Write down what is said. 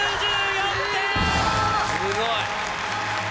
すごい！